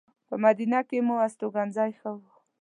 په مدینه کې مو استوګنځی ښه و.